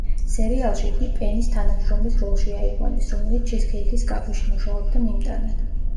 სერიალში იგი პენის თანამშრომლის როლში აიყვანეს, რომელიც ჩიზქეიქის კაფეში მუშაობდა მიმტანად.